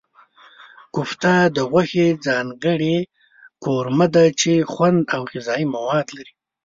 کوفته د غوښې ځانګړې قورمه ده چې خوند او غذايي مواد لري.